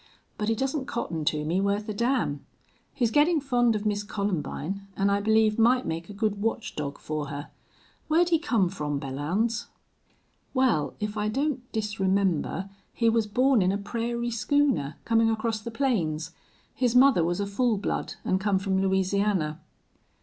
But he doesn't cotton to me worth a damn. He's gettin' fond of Miss Columbine, an' I believe might make a good watch dog for her. Where'd he come from, Belllounds?" "Wal, if I don't disremember he was born in a prairie schooner, comin' across the plains. His mother was a full blood, an' come from Louisiana."